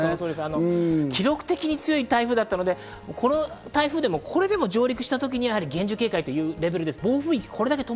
記録的に強い台風だったので、これでも上陸した時には厳重警戒というレベルです。